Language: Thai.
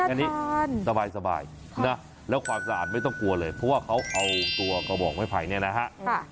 ร้ายน้าทานสบายแล้วความสะอาดไม่ต้องกลัวเลยเพราะว่าเขาเอาตัวกระบบไม่ไผ่เนี่ยนะครับ